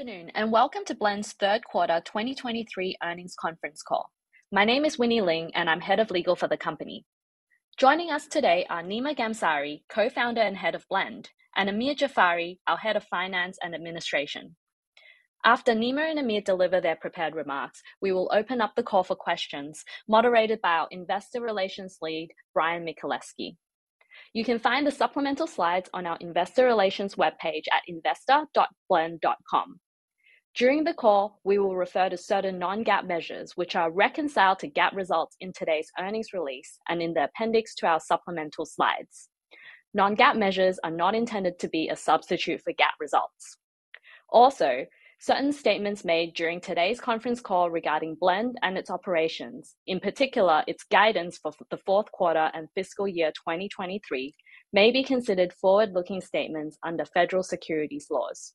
Good afternoon, and welcome to Blend's third quarter 2023 earnings conference call. My name is Winnie Ling, and I'm Head of Legal for the company. Joining us today are Nima Ghamsari, Co-founder and Head of Blend, and Amir Jafari, our Head of Finance and Administration. After Nima and Amir deliver their prepared remarks, we will open up the call for questions, moderated by our Investor Relations lead, Bryan Michaleski. You can find the supplemental slides on our investor relations webpage at investor.blend.com. During the call, we will refer to certain non-GAAP measures, which are reconciled to GAAP results in today's earnings release and in the appendix to our supplemental slides. Non-GAAP measures are not intended to be a substitute for GAAP results. Also, certain statements made during today's conference call regarding Blend and its operations, in particular, its guidance for the fourth quarter and fiscal year 2023, may be considered forward-looking statements under federal securities laws.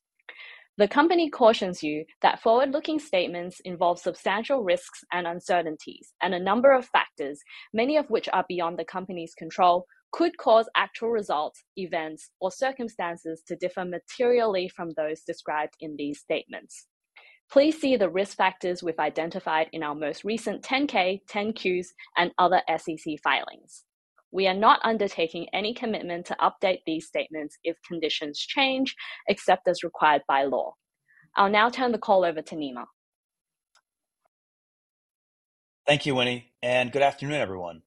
The company cautions you that forward-looking statements involve substantial risks and uncertainties, and a number of factors, many of which are beyond the company's control, could cause actual results, events, or circumstances to differ materially from those described in these statements. Please see the risk factors we've identified in our most recent 10-K, 10-Qs, and other SEC filings. We are not undertaking any commitment to update these statements if conditions change, except as required by law. I'll now turn the call over to Nima. Thank you, Winnie, and good afternoon, everyone.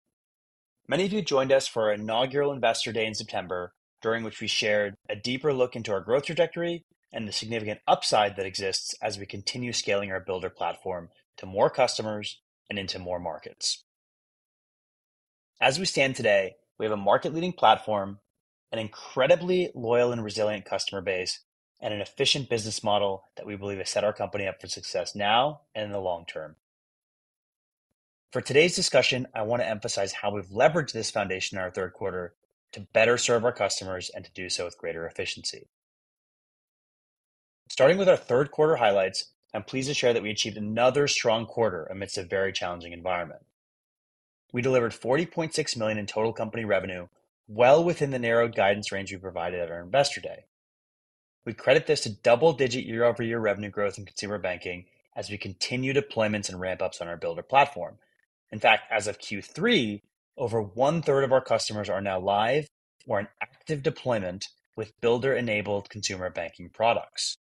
Many of you joined us for our inaugural Investor Day in September, during which we shared a deeper look into our growth trajectory and the significant upside that exists as we continue scaling our Builder platform to more customers and into more markets. As we stand today, we have a market-leading platform, an incredibly loyal and resilient customer base, and an efficient business model that we believe has set our company up for success now and in the long term. For today's discussion, I want to emphasize how we've leveraged this foundation in our third quarter to better serve our customers and to do so with greater efficiency. Starting with our third quarter highlights, I'm pleased to share that we achieved another strong quarter amidst a very challenging environment. We delivered $40.6 million in total company revenue, well within the narrowed guidance range we provided at our Investor Day. We credit this to double-digit year-over-year revenue growth in consumer banking as we continue deployments and ramp-ups on our Builder platform. In fact, as of Q3, over one-third of our customers are now live or in active deployment with Builder-enabled Consumer Banking Products.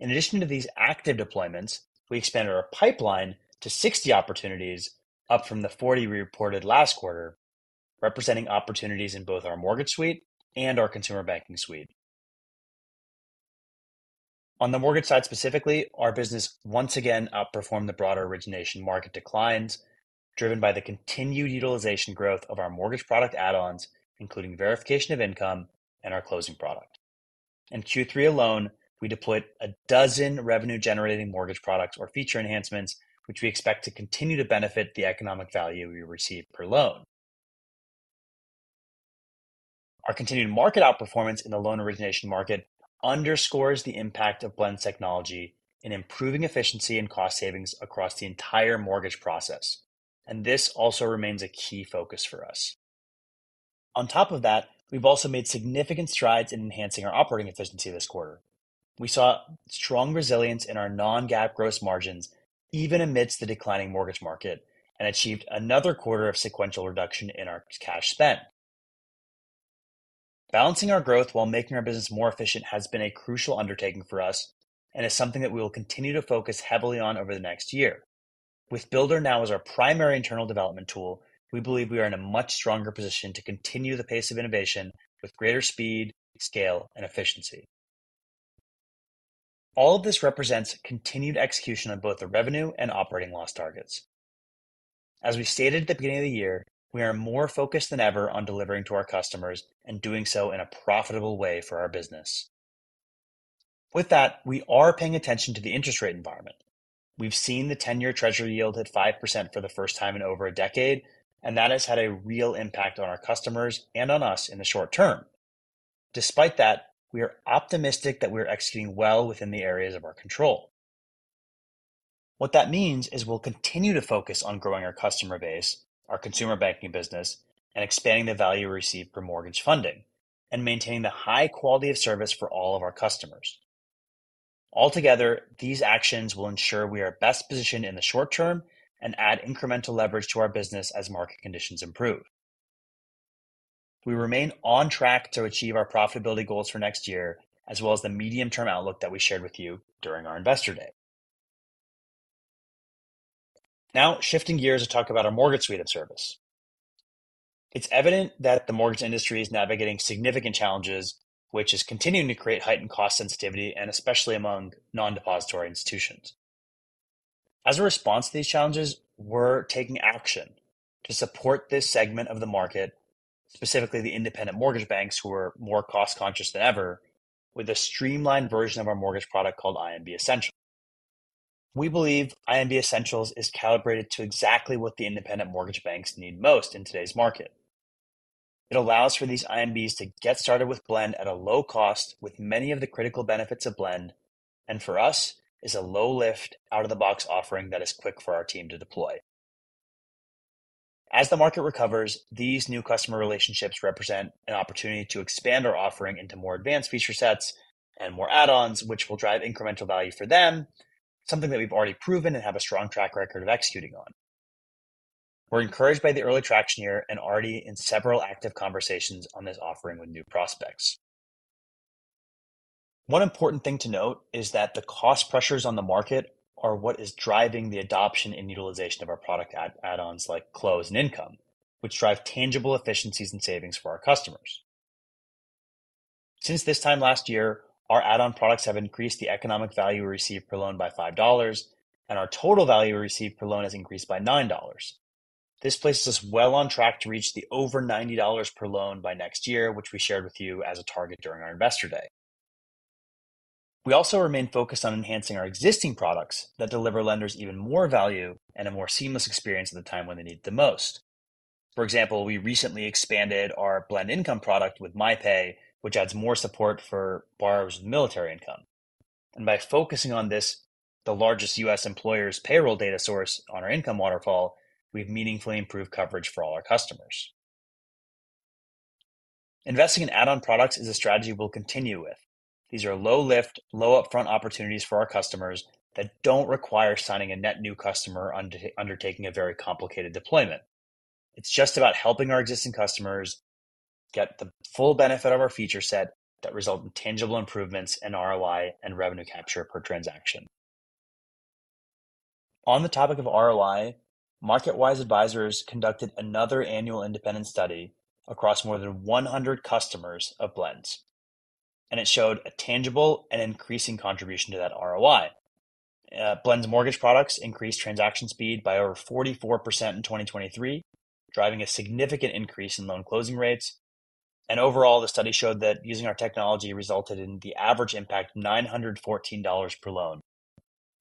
In addition to these active deployments, we expanded our pipeline to 60 opportunities, up from the 40 we reported last quarter, representing opportunities in both our Mortgage Suite and our Consumer Banking Suite. On the mortgage side specifically, our business once again outperformed the broader origination market declines, driven by the continued utilization growth of our mortgage product add-ons, including verification of income and our closing product. In Q3 alone, we deployed 12 revenue-generating mortgage products or feature enhancements, which we expect to continue to benefit the economic value we receive per loan. Our continued market outperformance in the loan origination market underscores the impact of Blend's technology in improving efficiency and cost savings across the entire mortgage process, and this also remains a key focus for us. On top of that, we've also made significant strides in enhancing our operating efficiency this quarter. We saw strong resilience in our non-GAAP gross margins, even amidst the declining mortgage market, and achieved another quarter of sequential reduction in our cash spend. Balancing our growth while making our business more efficient has been a crucial undertaking for us and is something that we will continue to focus heavily on over the next year. With Builder now as our primary internal development tool, we believe we are in a much stronger position to continue the pace of innovation with greater speed, scale, and efficiency. All of this represents continued execution on both the revenue and operating loss targets. As we stated at the beginning of the year, we are more focused than ever on delivering to our customers and doing so in a profitable way for our business. With that, we are paying attention to the interest rate environment. We've seen the ten-year Treasury yield at 5% for the first time in over a decade, and that has had a real impact on our customers and on us in the short term. Despite that, we are optimistic that we're executing well within the areas of our control. What that means is we'll continue to focus on growing our customer base, our consumer banking business, and expanding the value received per mortgage funding, and maintaining the high quality of service for all of our customers. Altogether, these actions will ensure we are best positioned in the short term and add incremental leverage to our business as market conditions improve. We remain on track to achieve our profitability goals for next year, as well as the medium-term outlook that we shared with you during our Investor Day. Now, shifting gears to talk about our Mortgage Suite of service. It's evident that the mortgage industry is navigating significant challenges, which is continuing to create heightened cost sensitivity, and especially among non-depository institutions. As a response to these challenges, we're taking action to support this segment of the market, specifically the independent mortgage banks, who are more cost-conscious than ever, with a streamlined version of our mortgage product called IMB Essentials. We believe IMB Essentials is calibrated to exactly what the independent mortgage banks need most in today's market. It allows for these IMBs to get started with Blend at a low cost with many of the critical benefits of Blend, and for us, is a low-lift, out-of-the-box offering that is quick for our team to deploy. As the market recovers, these new customer relationships represent an opportunity to expand our offering into more advanced feature sets and more add-ons, which will drive incremental value for them, something that we've already proven and have a strong track record of executing on. We're encouraged by the early traction here and already in several active conversations on this offering with new prospects. One important thing to note is that the cost pressures on the market are what is driving the adoption and utilization of our product add-ons, like Close and Income, which drive tangible efficiencies and savings for our customers. Since this time last year, our add-on products have increased the economic value we receive per loan by $5, and our total value received per loan has increased by $9. This places us well on track to reach the over $90 per loan by next year, which we shared with you as a target during our Investor Day. We also remain focused on enhancing our existing products that deliver lenders even more value and a more seamless experience at the time when they need it the most. For example, we recently expanded our Blend Income product with MyPay, which adds more support for borrowers with military income. By focusing on this, the largest U.S. employer's payroll data source on our income waterfall, we've meaningfully improved coverage for all our customers. Investing in add-on products is a strategy we'll continue with. These are low lift, low upfront opportunities for our customers that don't require signing a net new customer undertaking a very complicated deployment. It's just about helping our existing customers get the full benefit of our feature set that result in tangible improvements in ROI and revenue capture per transaction. On the topic of ROI, MarketWise Advisors conducted another annual independent study across more than 100 customers of Blend, and it showed a tangible and increasing contribution to that ROI. Blend's mortgage products increased transaction speed by over 44% in 2023, driving a significant increase in loan closing rates. Overall, the study showed that using our technology resulted in the average impact, $914 per loan,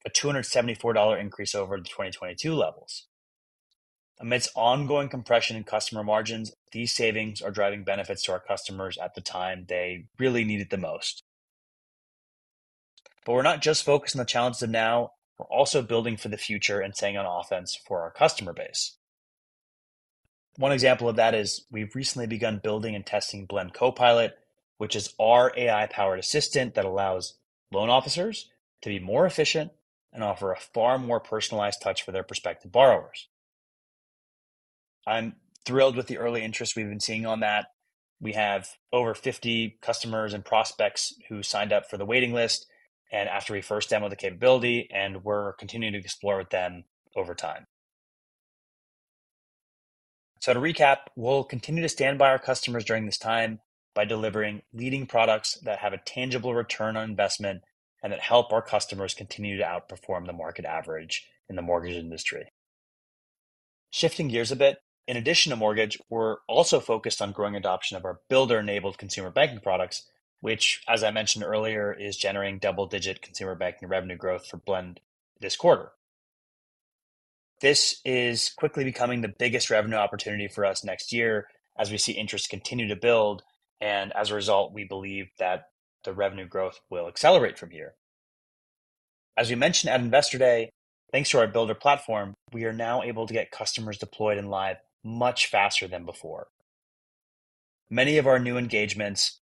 a $274 increase over the 2022 levels. Amidst ongoing compression in customer margins, these savings are driving benefits to our customers at the time they really need it the most. We're not just focused on the challenges of now, we're also building for the future and staying on offense for our customer base. One example of that is we've recently begun building and testing Blend Copilot, which is our AI-powered assistant that allows loan officers to be more efficient and offer a far more personalized touch for their prospective borrowers. I'm thrilled with the early interest we've been seeing on that. We have over 50 customers and prospects who signed up for the waiting list, and after we first demoed the capability, and we're continuing to explore with them over time. So to recap, we'll continue to stand by our customers during this time by delivering leading products that have a tangible return on investment and that help our customers continue to outperform the market average in the mortgage industry. Shifting gears a bit, in addition to mortgage, we're also focused on growing adoption of our Builder-enabled consumer banking products, which, as I mentioned earlier, is generating double-digit consumer banking revenue growth for Blend this quarter. This is quickly becoming the biggest revenue opportunity for us next year as we see interest continue to build, and as a result, we believe that the revenue growth will accelerate from here. As we mentioned at Investor Day, thanks to our Builder platform, we are now able to get customers deployed and live much faster than before. Many of our new engagements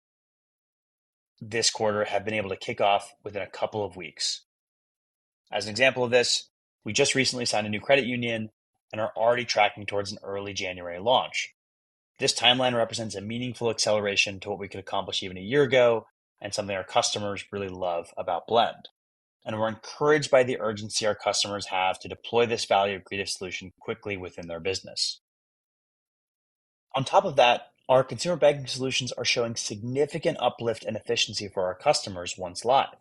this quarter have been able to kick off within a couple of weeks. As an example of this, we just recently signed a new credit union and are already tracking towards an early January launch. This timeline represents a meaningful acceleration to what we could accomplish even a year ago, and something our customers really love about Blend. And we're encouraged by the urgency our customers have to deploy this value creative solution quickly within their business. On top of that, our consumer banking solutions are showing significant uplift and efficiency for our customers once live.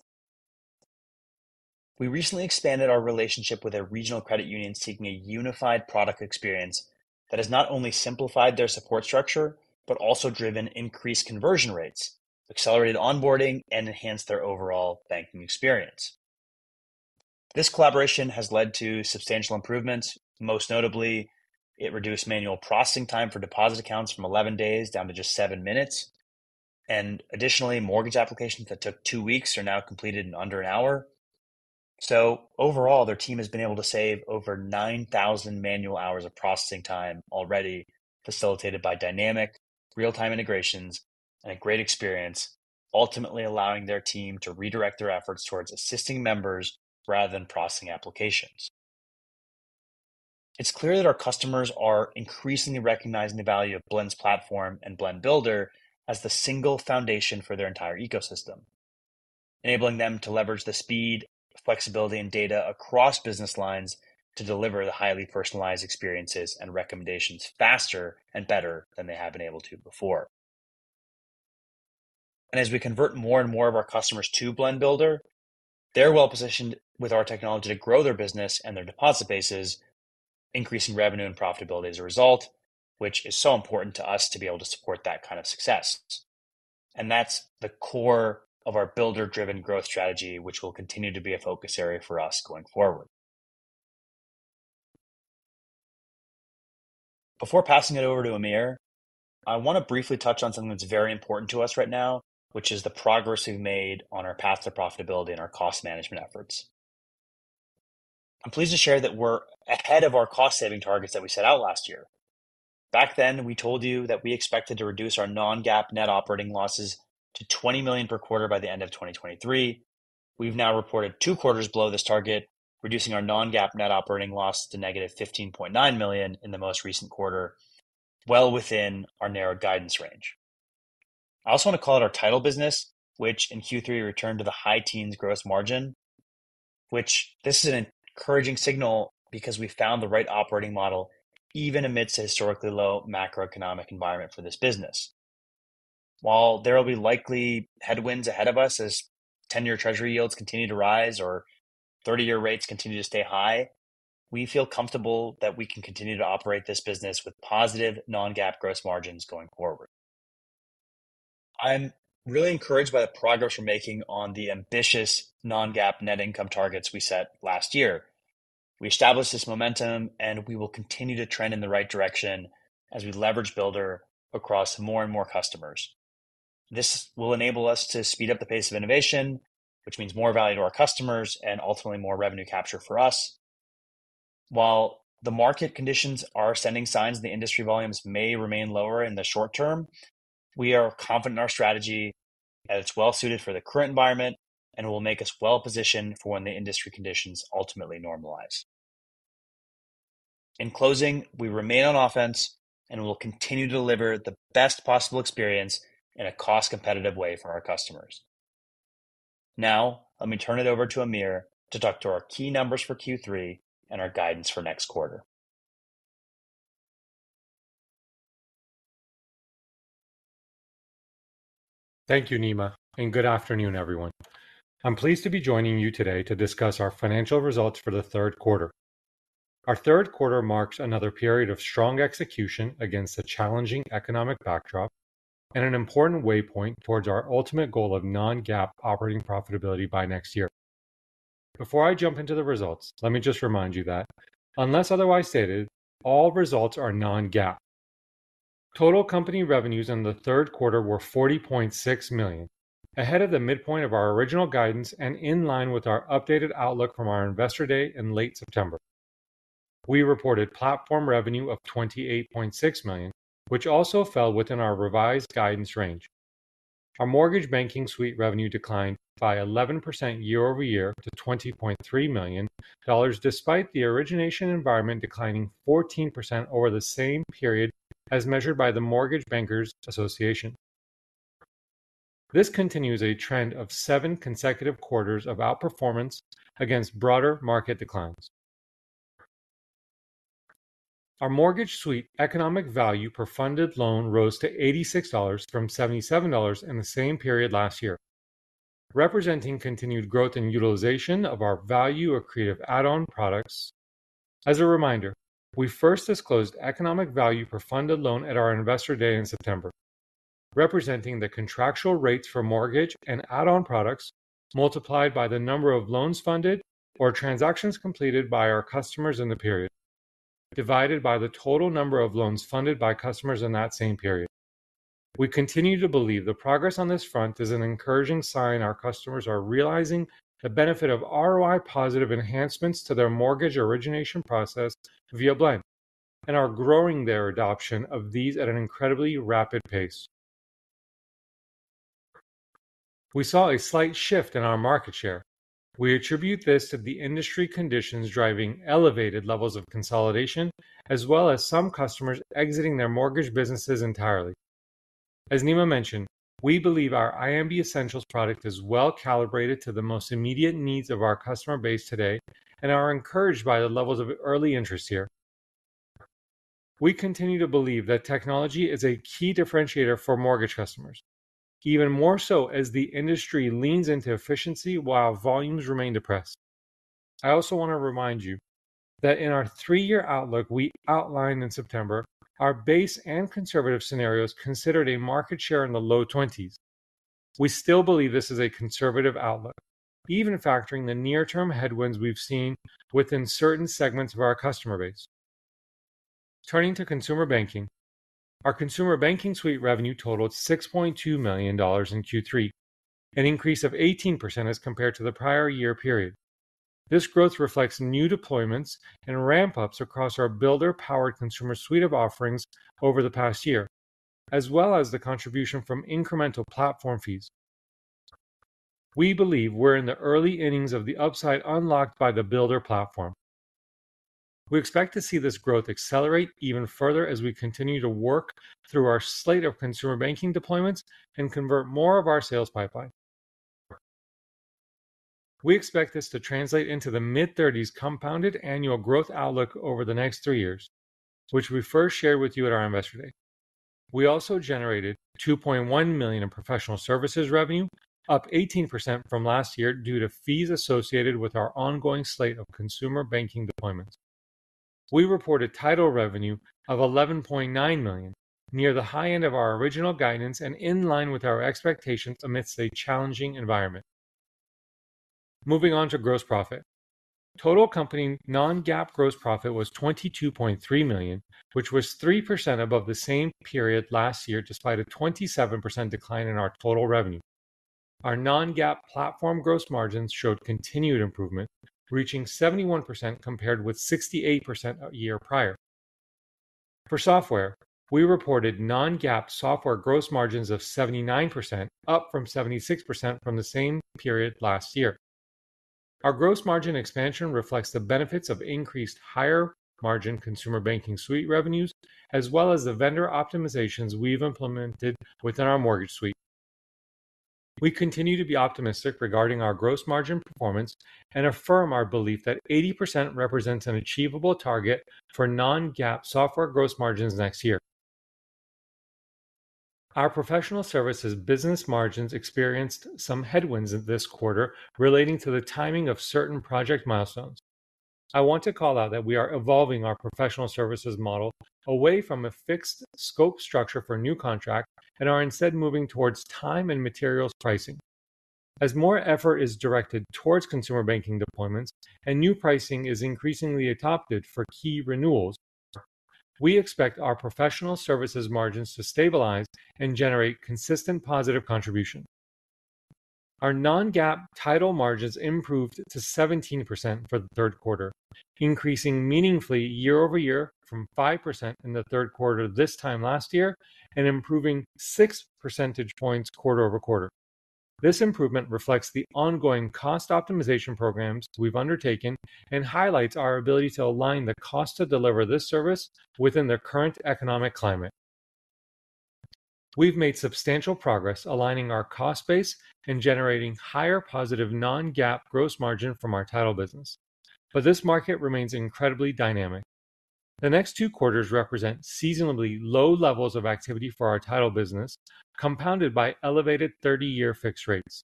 We recently expanded our relationship with a regional credit union seeking a unified product experience that has not only simplified their support structure, but also driven increased conversion rates, accelerated onboarding, and enhanced their overall banking experience. This collaboration has led to substantial improvements. Most notably, it reduced manual processing time for deposit accounts from 11 days down to just seven minutes, and additionally, mortgage applications that took two weeks are now completed in under an hour. So overall, their team has been able to save over 9,000 manual hours of processing time already, facilitated by dynamic, real-time integrations and a great experience, ultimately allowing their team to redirect their efforts towards assisting members rather than processing applications. It's clear that our customers are increasingly recognizing the value of Blend's platform and Blend Builder as the single foundation for their entire ecosystem, enabling them to leverage the speed, flexibility, and data across business lines to deliver the highly personalized experiences and recommendations faster and better than they have been able to before. As we convert more and more of our customers to Blend Builder, they're well positioned with our technology to grow their business and their deposit bases, increasing revenue and profitability as a result, which is so important to us to be able to support that kind of success. That's the core of our Builder-driven growth strategy, which will continue to be a focus area for us going forward. Before passing it over to Amir, I wanna briefly touch on something that's very important to us right now, which is the progress we've made on our path to profitability and our cost management efforts. I'm pleased to share that we're ahead of our cost-saving targets that we set out last year. Back then, we told you that we expected to reduce our non-GAAP net operating losses to $20 million per quarter by the end of 2023. We've now reported two quarters below this target, reducing our non-GAAP net operating loss to -$15.9 million in the most recent quarter, well within our narrow guidance range. I also want to call out our title business, which in Q3 returned to the high teens gross margin, which this is an encouraging signal because we found the right operating model even amidst a historically low macroeconomic environment for this business. While there will be likely headwinds ahead of us as 10-year Treasury yields continue to rise or 30-year rates continue to stay high, we feel comfortable that we can continue to operate this business with positive non-GAAP gross margins going forward. I'm really encouraged by the progress we're making on the ambitious non-GAAP net income targets we set last year. We established this momentum, and we will continue to trend in the right direction as we leverage Builder across more and more customers. This will enable us to speed up the pace of innovation, which means more value to our customers and ultimately more revenue capture for us. While the market conditions are sending signs the industry volumes may remain lower in the short term, we are confident in our strategy, that it's well suited for the current environment and will make us well-positioned for when the industry conditions ultimately normalize. In closing, we remain on offense, and we'll continue to deliver the best possible experience in a cost-competitive way for our customers. Now, let me turn it over to Amir to talk to our key numbers for Q3 and our guidance for next quarter. Thank you, Nima, and good afternoon, everyone. I'm pleased to be joining you today to discuss our financial results for the third quarter. Our third quarter marks another period of strong execution against a challenging economic backdrop and an important waypoint towards our ultimate goal of non-GAAP operating profitability by next year. Before I jump into the results, let me just remind you that unless otherwise stated, all results are non-GAAP. Total company revenues in the third quarter were $40.6 million, ahead of the midpoint of our original guidance and in line with our updated outlook from our Investor Day in late September. We reported platform revenue of $28.6 million, which also fell within our revised guidance range. Our Mortgage Banking Suite revenue declined by 11% year-over-year to $20.3 million, despite the origination environment declining 14% over the same period as measured by the Mortgage Bankers Association. This continues a trend of seven consecutive quarters of outperformance against broader market declines. Our mortgage suite economic value per funded loan rose to $86 from $77 in the same period last year, representing continued growth in utilization of our value accretive add-on products. As a reminder, we first disclosed economic value per funded loan at our Investor Day in September, representing the contractual rates for mortgage and add-on products multiplied by the number of loans funded or transactions completed by our customers in the period, divided by the total number of loans funded by customers in that same period. We continue to believe the progress on this front is an encouraging sign our customers are realizing the benefit of ROI-positive enhancements to their mortgage origination process via Blend and are growing their adoption of these at an incredibly rapid pace. We saw a slight shift in our market share. We attribute this to the industry conditions driving elevated levels of consolidation, as well as some customers exiting their mortgage businesses entirely. As Nima mentioned, we believe our IMB Essentials product is well-calibrated to the most immediate needs of our customer base today and are encouraged by the levels of early interest here. We continue to believe that technology is a key differentiator for mortgage customers, even more so as the industry leans into efficiency while volumes remain depressed. I also want to remind you that in our three-year outlook we outlined in September, our base and conservative scenarios considered a market share in the low twenties. We still believe this is a conservative outlook, even factoring the near-term headwinds we've seen within certain segments of our customer base. Turning to consumer banking, our consumer banking suite revenue totaled $6.2 million in Q3, an increase of 18% as compared to the prior year period. This growth reflects new deployments and ramp-ups across our Builder-powered consumer suite of offerings over the past year, as well as the contribution from incremental platform fees. We believe we're in the early innings of the upside unlocked by the Builder platform. We expect to see this growth accelerate even further as we continue to work through our slate of consumer banking deployments and convert more of our sales pipeline. We expect this to translate into the mid-30s compounded annual growth outlook over the next 3 years, which we first shared with you at our Investor Day. We also generated $2.1 million in Professional Services revenue, up 18% from last year due to fees associated with our ongoing slate of consumer banking deployments. We reported Title Revenue of $11.9 million, near the high end of our original guidance and in line with our expectations amidst a challenging environment. Moving on to gross profit. Total company non-GAAP gross profit was $22.3 million, which was 3% above the same period last year, despite a 27% decline in our total revenue. Our non-GAAP platform gross margins showed continued improvement, reaching 71%, compared with 68% a year prior... For software, we reported Non-GAAP software gross margins of 79%, up from 76% from the same period last year. Our gross margin expansion reflects the benefits of increased higher margin consumer banking suite revenues, as well as the vendor optimizations we've implemented within our Mortgage Suite. We continue to be optimistic regarding our gross margin performance and affirm our belief that 80% represents an achievable target for Non-GAAP software gross margins next year. Our Professional Services business margins experienced some headwinds this quarter relating to the timing of certain project milestones. I want to call out that we are evolving our Professional Services model away from a fixed scope structure for new contracts and are instead moving towards time and materials pricing. As more effort is directed towards consumer banking deployments and new pricing is increasingly adopted for key renewals, we expect our professional services margins to stabilize and generate consistent positive contribution. Our Non-GAAP title margins improved to 17% for the third quarter, increasing meaningfully year-over-year from 5% in the third quarter this time last year and improving six percentage points quarter-over-quarter. This improvement reflects the ongoing cost optimization programs we've undertaken and highlights our ability to align the cost to deliver this service within the current economic climate. We've made substantial progress aligning our cost base and generating higher positive Non-GAAP gross margin from our title business, but this market remains incredibly dynamic. The next two quarters represent seasonally low levels of activity for our title business, compounded by elevated 30-year fixed rates.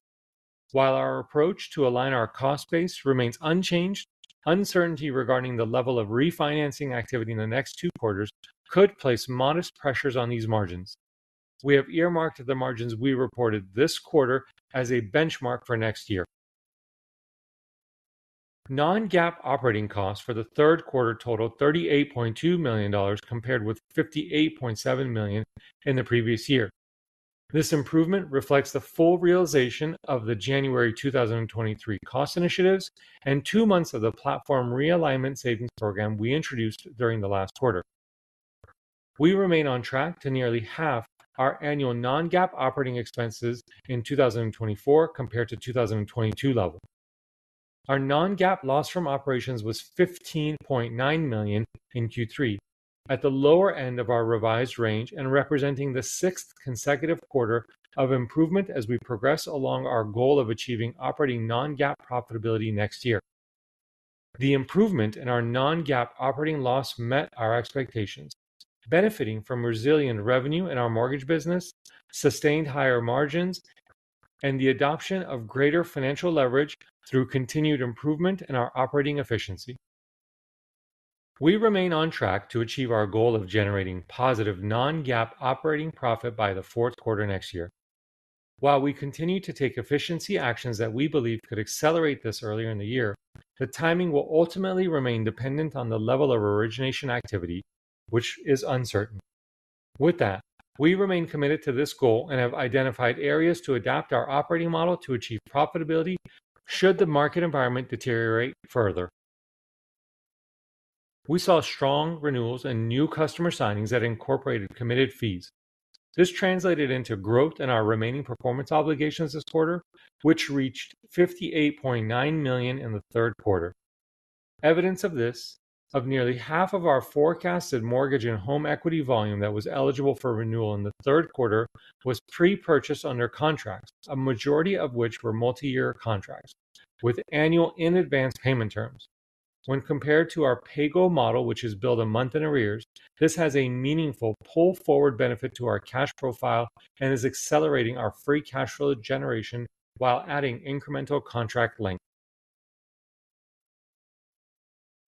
While our approach to align our cost base remains unchanged, uncertainty regarding the level of refinancing activity in the next two quarters could place modest pressures on these margins. We have earmarked the margins we reported this quarter as a benchmark for next year. Non-GAAP operating costs for the third quarter totaled $38.2 million, compared with $58.7 million in the previous year. This improvement reflects the full realization of the January 2023 cost initiatives and two months of the platform realignment savings program we introduced during the last quarter. We remain on track to nearly half our annual non-GAAP operating expenses in 2024 compared to 2022 level. Our Non-GAAP loss from operations was $15.9 million in Q3, at the lower end of our revised range and representing the sixth consecutive quarter of improvement as we progress along our goal of achieving operating Non-GAAP profitability next year. The improvement in our Non-GAAP operating loss met our expectations, benefiting from resilient revenue in our mortgage business, sustained higher margins, and the adoption of greater financial leverage through continued improvement in our operating efficiency. We remain on track to achieve our goal of generating positive Non-GAAP operating profit by the fourth quarter next year. While we continue to take efficiency actions that we believe could accelerate this earlier in the year, the timing will ultimately remain dependent on the level of origination activity, which is uncertain. With that, we remain committed to this goal and have identified areas to adapt our operating model to achieve profitability should the market environment deteriorate further. We saw strong renewals and new customer signings that incorporated committed fees. This translated into growth in our remaining performance obligations this quarter, which reached $58.9 million in the third quarter. Evidence of this, of nearly half of our forecasted mortgage and home equity volume that was eligible for renewal in the third quarter was pre-purchased under contracts, a majority of which were multi-year contracts with annual in-advance payment terms. When compared to our pay-go model, which is billed a month in arrears, this has a meaningful pull-forward benefit to our cash profile and is accelerating our free cash flow generation while adding incremental contract length.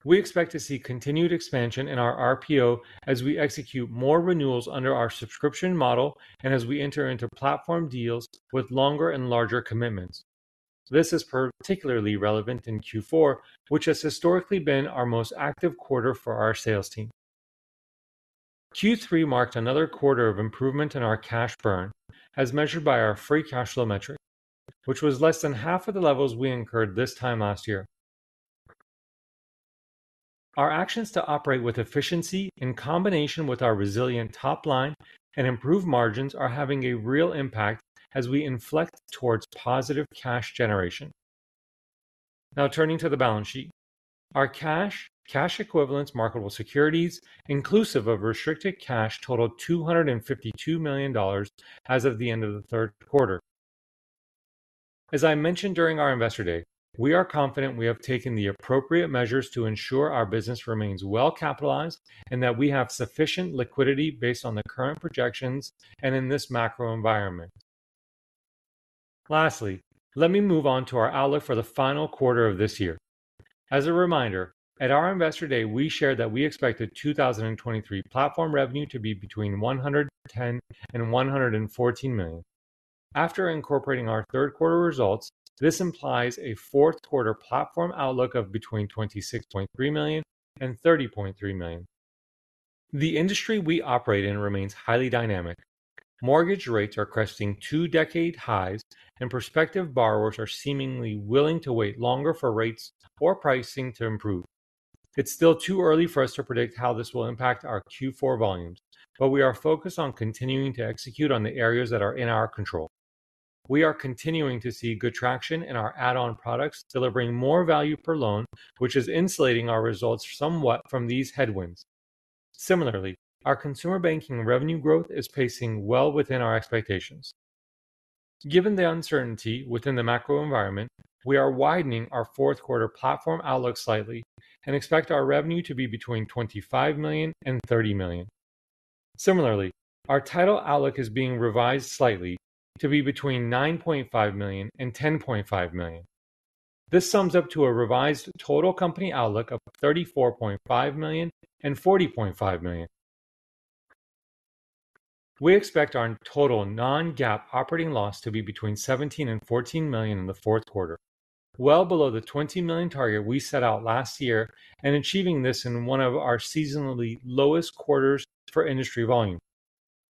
We expect to see continued expansion in our RPO as we execute more renewals under our subscription model and as we enter into platform deals with longer and larger commitments. This is particularly relevant in Q4, which has historically been our most active quarter for our sales team. Q3 marked another quarter of improvement in our cash burn, as measured by our free cash flow metric, which was less than half of the levels we incurred this time last year. Our actions to operate with efficiency in combination with our resilient top line and improved margins are having a real impact as we inflect towards positive cash generation. Now, turning to the balance sheet. Our cash, cash equivalents, marketable securities, inclusive of restricted cash, totaled $252 million as of the end of the third quarter. As I mentioned during our Investor Day, we are confident we have taken the appropriate measures to ensure our business remains well capitalized and that we have sufficient liquidity based on the current projections and in this macro environment. Lastly, let me move on to our outlook for the final quarter of this year. As a reminder, at our Investor Day, we shared that we expected 2023 platform revenue to be between $110 million and $114 million. After incorporating our third quarter results, this implies a fourth quarter platform outlook of between $26.3 million and $30.3 million. The industry we operate in remains highly dynamic. Mortgage rates are cresting two-decade highs, and prospective borrowers are seemingly willing to wait longer for rates or pricing to improve. It's still too early for us to predict how this will impact our Q4 volumes, but we are focused on continuing to execute on the areas that are in our control. We are continuing to see good traction in our add-on products, delivering more value per loan, which is insulating our results somewhat from these headwinds. Similarly, our consumer banking revenue growth is pacing well within our expectations. Given the uncertainty within the macro environment, we are widening our fourth quarter platform outlook slightly and expect our revenue to be between $25 million and $30 million. Similarly, our title outlook is being revised slightly to be between $9.5 million and $10.5 million. This sums up to a revised total company outlook of $34.5 million and $40.5 million. We expect our total Non-GAAP operating loss to be between $17 million and $14 million in the fourth quarter, well below the $20 million target we set out last year, and achieving this in one of our seasonally lowest quarters for industry volume.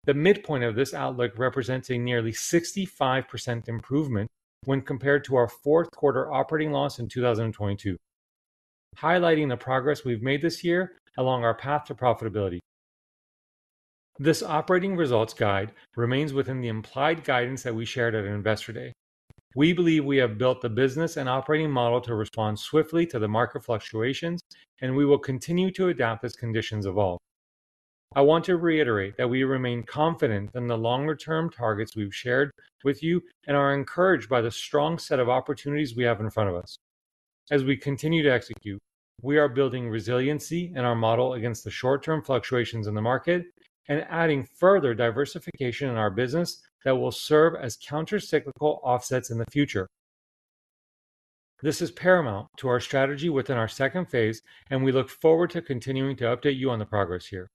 The midpoint of this outlook represents a nearly 65% improvement when compared to our fourth quarter operating loss in 2022, highlighting the progress we've made this year along our path to profitability. This operating results guide remains within the implied guidance that we shared at Investor Day. We believe we have built the business and operating model to respond swiftly to the market fluctuations, and we will continue to adapt as conditions evolve. I want to reiterate that we remain confident in the longer-term targets we've shared with you and are encouraged by the strong set of opportunities we have in front of us. As we continue to execute, we are building resiliency in our model against the short-term fluctuations in the market and adding further diversification in our business that will serve as countercyclical offsets in the future. This is paramount to our strategy within our second phase, and we look forward to continuing to update you on the progress here.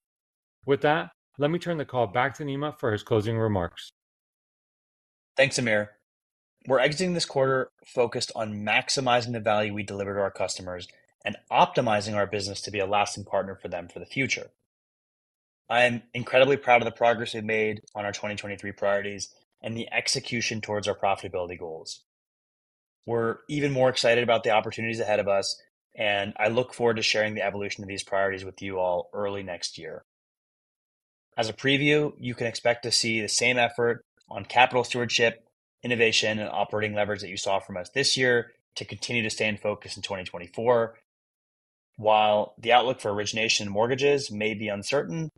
With that, let me turn the call back to Nima for his closing remarks. Thanks, Amir. We're exiting this quarter focused on maximizing the value we deliver to our customers and optimizing our business to be a lasting partner for them for the future. I am incredibly proud of the progress we've made on our 2023 priorities and the execution towards our profitability goals. We're even more excited about the opportunities ahead of us, and I look forward to sharing the evolution of these priorities with you all early next year. As a preview, you can expect to see the same effort on capital stewardship, innovation, and operating leverage that you saw from us this year to continue to stay in focus in 2024. While the outlook for origination mortgages may be uncertain,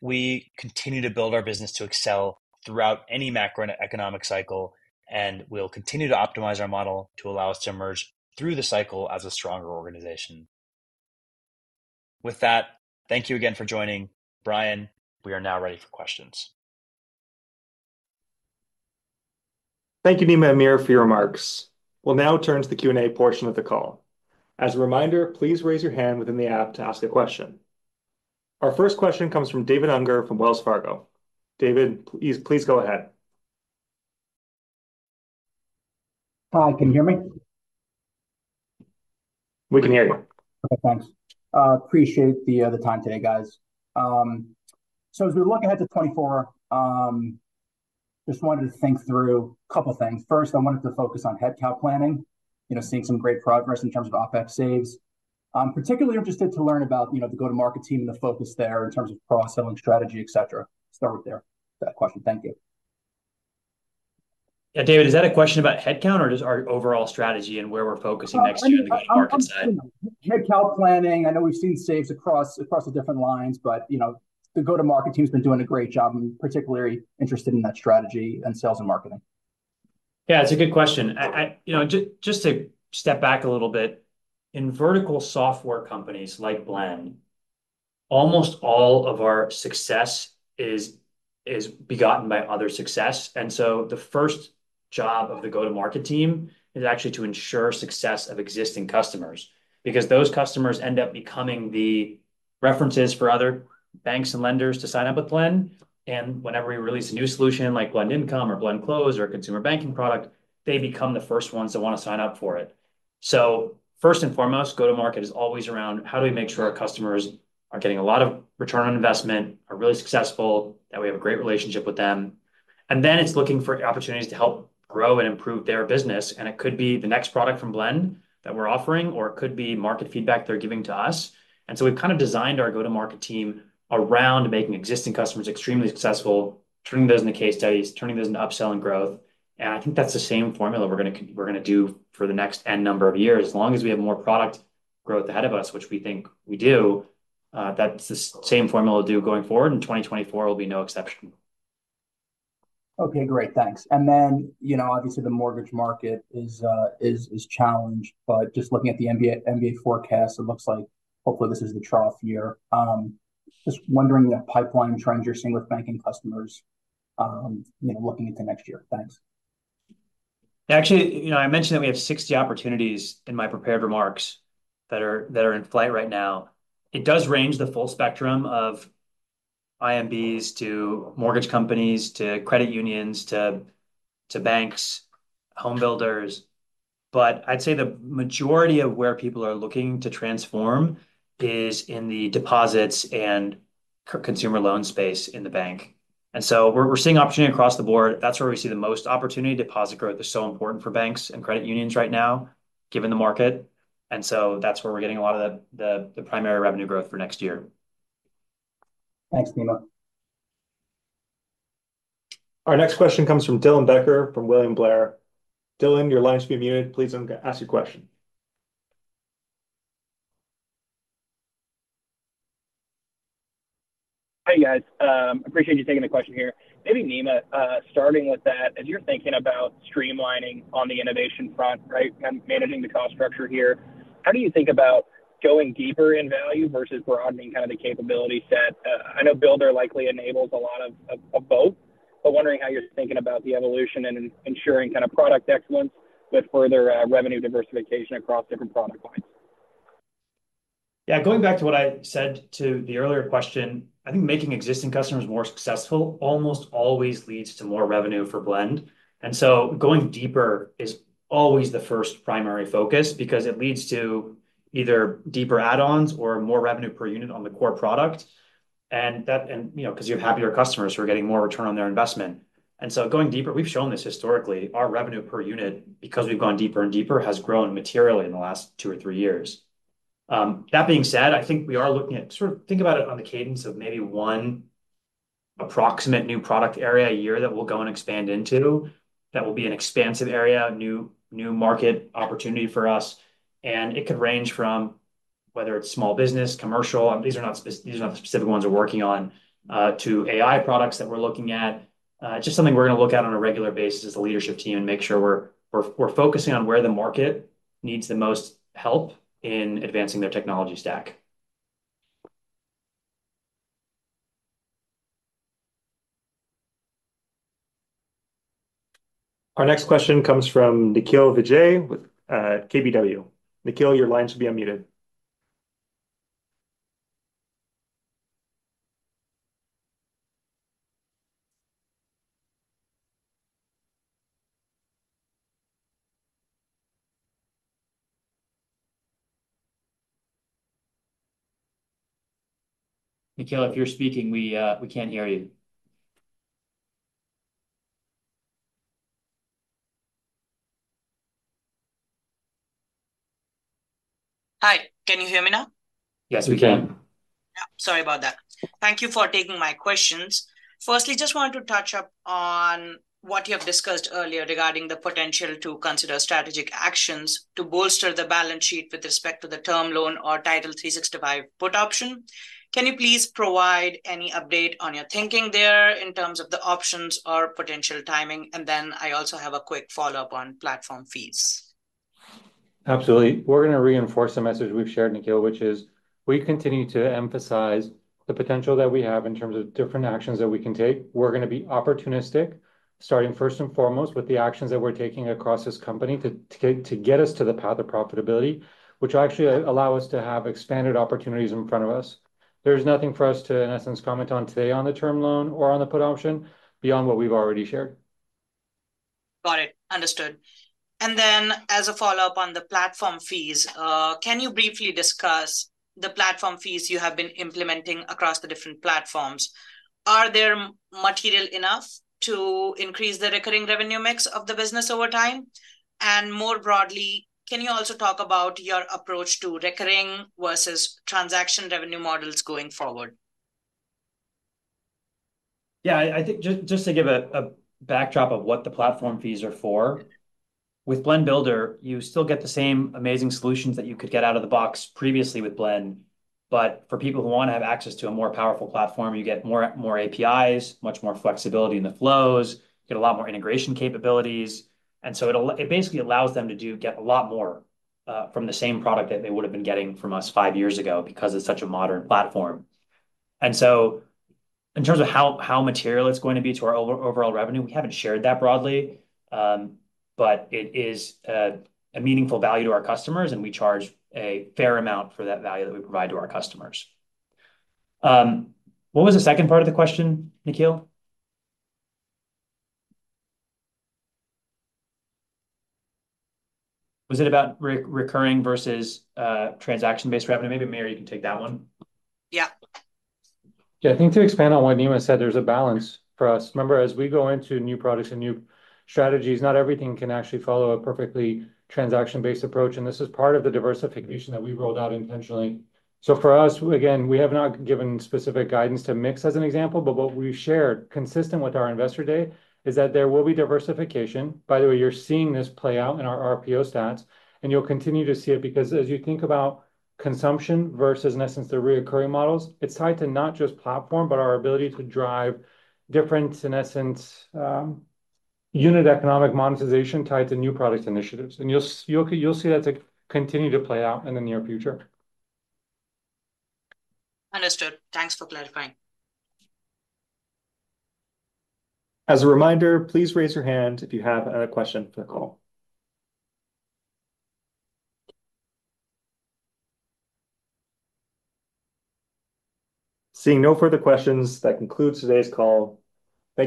we continue to build our business to excel throughout any macroeconomic cycle, and we'll continue to optimize our model to allow us to emerge through the cycle as a stronger organization. With that, thank you again for joining. Bryan, we are now ready for questions. Thank you, Nima and Amir, for your remarks. We'll now turn to the Q&A portion of the call. As a reminder, please raise your hand within the app to ask a question. Our first question comes from David Unger from Wells Fargo. David, please go ahead. Hi, can you hear me? We can hear you. Okay, thanks. Appreciate the time today, guys. So as we look ahead to 2024, just wanted to think through a couple things. First, I wanted to focus on headcount planning. You know, seeing some great progress in terms of OpEx saves. I'm particularly interested to learn about, you know, the go-to-market team and the focus there in terms of cross-selling strategy, et cetera. Start with there, that question. Thank you. Yeah, David, is that a question about headcount or just our overall strategy and where we're focusing next year on the go-to-market side? I'm headcount planning. I know we've seen saves across the different lines, but you know, the go-to-market team's been doing a great job, and I'm particularly interested in that strategy in sales and marketing. Yeah, it's a good question. You know, just to step back a little bit, in vertical software companies like Blend, almost all of our success is begotten by other success. And so the first job of the go-to-market team is actually to ensure success of existing customers, because those customers end up becoming the references for other banks and lenders to sign up with Blend. And whenever we release a new solution, like Blend Income or Blend Close or Consumer Banking product, they become the first ones that want to sign up for it. So first and foremost, go-to-market is always around: How do we make sure our customers are getting a lot of return on investment, are really successful, that we have a great relationship with them? And then, it's looking for opportunities to help grow and improve their business, and it could be the next product from Blend that we're offering, or it could be market feedback they're giving to us. And so we've kind of designed our go-to-market team around making existing customers extremely successful, turning those into case studies, turning those into upselling growth. And I think that's the same formula we're gonna do for the next N number of years. As long as we have more product growth ahead of us, which we think we do, that's the same formula we'll do going forward, and 2024 will be no exception. Okay, great. Thanks. And then, you know, obviously, the mortgage market is challenged, but just looking at the MBA forecast, it looks like hopefully this is the trough year. Just wondering what pipeline trends you're seeing with banking customers, you know, looking into next year. Thanks. Actually, you know, I mentioned that we have 60 opportunities in my prepared remarks that are, that are in flight right now. It does range the full spectrum of IMBs to mortgage companies, to credit unions, to, to banks, home builders... but I'd say the majority of where people are looking to transform is in the deposits and consumer loan space in the bank. And so we're, we're seeing opportunity across the board. That's where we see the most opportunity. Deposit growth is so important for banks and credit unions right now, given the market, and so that's where we're getting a lot of the primary revenue growth for next year. Thanks, Nima. Our next question comes from Dylan Becker from William Blair. Dylan, your line's being muted. Please ask your question. Hi, guys. Appreciate you taking the question here. Maybe, Nima, starting with that, as you're thinking about streamlining on the innovation front, right, kind of managing the cost structure here, how do you think about going deeper in value versus broadening kind of the capability set? I know Builder likely enables a lot of both, but wondering how you're thinking about the evolution and ensuring kind of product excellence with further revenue diversification across different product lines. Yeah, going back to what I said to the earlier question, I think making existing customers more successful almost always leads to more revenue for Blend. And so going deeper is always the first primary focus because it leads to either deeper add-ons or more revenue per unit on the core product, and that... And, you know, 'cause you have happier customers who are getting more return on their investment. And so going deeper, we've shown this historically, our revenue per unit, because we've gone deeper and deeper, has grown materially in the last two or three years. That being said, I think we are looking at, sort of think about it on the cadence of maybe one approximate new product area a year that we'll go and expand into. That will be an expansive area, a new market opportunity for us, and it could range from whether it's small business, commercial, these are not the specific ones we're working on, to AI products that we're looking at. Just something we're gonna look at on a regular basis as a leadership team and make sure we're focusing on where the market needs the most help in advancing their technology stack. Our next question comes from Nikhil Vijay with, KBW. Nikhil, your line should be unmuted. Nikhil, if you're speaking, we, we can't hear you. Hi, can you hear me now? Yes, we can. Yes, we can. Yeah, sorry about that. Thank you for taking my questions. Firstly, just wanted to touch up on what you have discussed earlier regarding the potential to consider strategic actions to bolster the balance sheet with respect to the term loan or Title365 put option. Can you please provide any update on your thinking there in terms of the options or potential timing? And then I also have a quick follow-up on platform fees. Absolutely. We're gonna reinforce the message we've shared, Nikhil, which is we continue to emphasize the potential that we have in terms of different actions that we can take. We're gonna be opportunistic, starting first and foremost with the actions that we're taking across this company to get us to the path of profitability, which will actually allow us to have expanded opportunities in front of us. There's nothing for us to, in essence, comment on today on the term loan or on the put option, beyond what we've already shared. Got it. Understood. And then, as a follow-up on the platform fees, can you briefly discuss the platform fees you have been implementing across the different platforms? Are they material enough to increase the recurring revenue mix of the business over time? And more broadly, can you also talk about your approach to recurring versus transaction revenue models going forward? Yeah, I think just to give a backdrop of what the platform fees are for, with Blend Builder, you still get the same amazing solutions that you could get out of the box previously with Blend, but for people who wanna have access to a more powerful platform, you get more APIs, much more flexibility in the flows, you get a lot more integration capabilities. And so it'll basically allow them to get a lot more from the same product that they would've been getting from us five years ago, because it's such a modern platform. In terms of how material it's going to be to our overall revenue, we haven't shared that broadly, but it is a meaningful value to our customers, and we charge a fair amount for that value that we provide to our customers. What was the second part of the question, Nikhil? Was it about recurring versus transaction-based revenue? Maybe, Amir, you can take that one. Yeah. Yeah, I think to expand on what Nima said, there's a balance for us. Remember, as we go into new products and new strategies, not everything can actually follow a perfectly transaction-based approach, and this is part of the diversification that we rolled out intentionally. So for us, again, we have not given specific guidance to mix, as an example, but what we've shared, consistent with our investor day, is that there will be diversification. By the way, you're seeing this play out in our RPO stats, and you'll continue to see it because as you think about consumption versus, in essence, the reoccurring models, it's tied to not just platform, but our ability to drive different, in essence, unit economic monetization tied to new product initiatives. And you'll see that continue to play out in the near future. Understood. Thanks for clarifying. As a reminder, please raise your hand if you have a question for the call. Seeing no further questions, that concludes today's call.